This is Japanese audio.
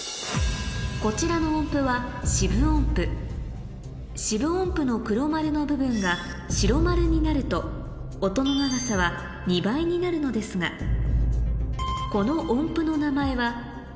こちらの音符は４分音符の黒丸の部分が白丸になると音の長さは２倍になるのですがはい。